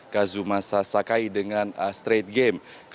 kazuma sasakai dengan astrade game